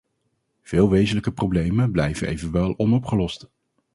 Veel wezenlijke problemen blijven evenwel onopgelost.